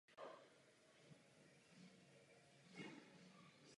Jeho zbytky se zachovaly v severozápadní části objektu.